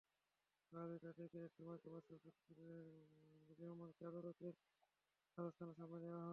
বেলা দুইটার দিকে একটি মাইক্রোবাসে শফিক রেহমানকে আদালতের হাজতখানার সামনে নেওয়া হয়।